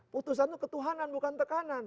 putusan itu ketuhanan bukan tekanan